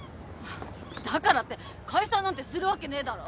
だからって解散なんてするわけねえだろ。